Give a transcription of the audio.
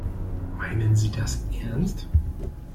Meinen Sie das ernst?